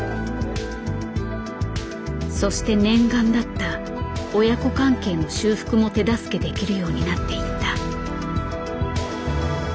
そして念願だった親子関係の修復も手助けできるようになっていった。